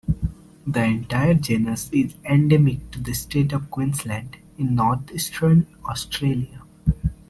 The entire genus is endemic to the State of Queensland in northeastern Australia.